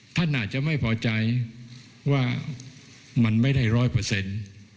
ท่านอาจจะไม่พอใจว่ามันไม่ได้ร้อยเปอร์เซ็นต์